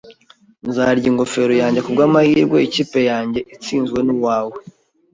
Nzarya ingofero yanjye, kubwamahirwe, ikipe yanjye itsinzwe nuwawe